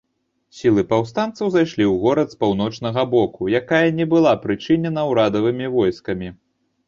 Сілы паўстанцаў зайшлі ў горад з паўночнага боку, якая не была прычынена ўрадавымі войскамі.